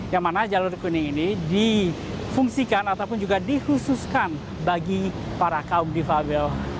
yang mana jalur kuning ini difungsikan ataupun juga dikhususkan bagi para kaum difabel